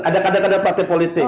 ada kader kader partai politik